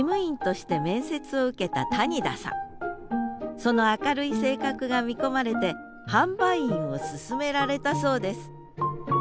その明るい性格が見込まれて販売員を勧められたそうです